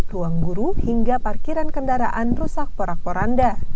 ruang guru hingga parkiran kendaraan rusak porak poranda